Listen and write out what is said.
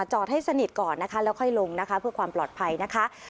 จอดให้สนิทก่อนนะคะแล้วค่อยลงนะคะเพื่อความปลอดภัยนะคะ